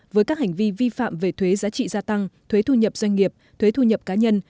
với các hành vi vi phạm về thuế giá trị gia tăng thuế thu nhập doanh nghiệp thuế thu nhập cá nhân